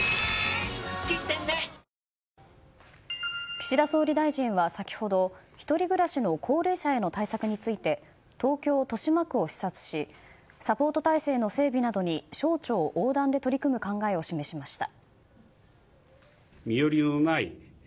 岸田総理大臣は先ほど１人暮らしの高齢者への対策について東京・豊島区を視察しサポート体制の整備などに省庁横断で取り組む考えを示しました。